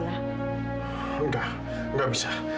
tidak tidak bisa